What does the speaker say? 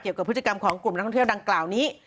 กับพฤติกรรมของกลุ่มนักท่องเที่ยวดังกล่าวนี้